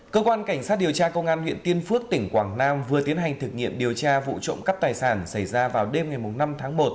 cơ quan cảnh sát điều tra công an huyện tiên phước tỉnh quảng nam vừa tiến hành thực nghiệm điều tra vụ trộm cắp tài sản xảy ra vào đêm ngày năm tháng một